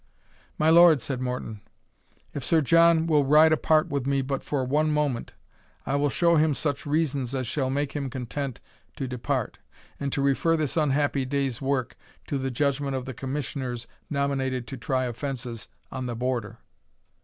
"My lord," said Morton, "if Sir John will ride apart with me but for one moment, I will show him such reasons as shall make him content to depart, and to refer this unhappy day's work to the judgment of the Commissioners nominated to try offences on the Border."